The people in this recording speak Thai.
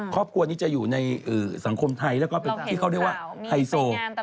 ครอบครัวนี้จะอยู่ในสังคมไทยแล้วก็เป็นที่เขาเรียกว่าไฮโซ